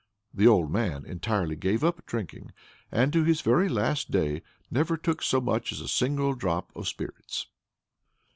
The old man entirely gave up drinking, and to his very last day never took so much as a single drop of spirits.